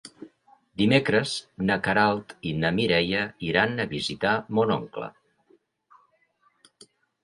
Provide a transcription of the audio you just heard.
Dimecres na Queralt i na Mireia iran a visitar mon oncle.